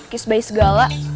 kisah baik segala